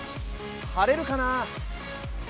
晴れるかな？